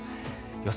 予想